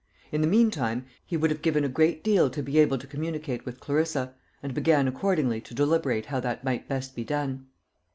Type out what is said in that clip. In the meantime, he would have given a great deal to be able to communicate with Clarissa, and began accordingly to deliberate how that might best be done.